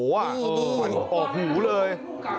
หวานออกหิวเลย